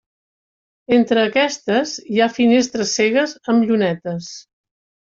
Entre aquestes hi ha finestres cegues amb llunetes.